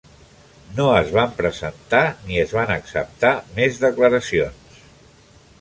No es van presentar ni es van acceptar més declaracions.